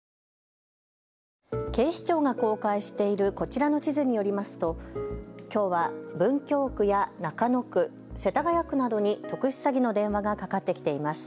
警視庁が公開しているこちらの地図によりますときょうは文京区や中野区、世田谷区などに特殊詐欺の電話がかかってきています。